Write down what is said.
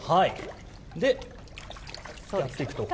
でやっていくと。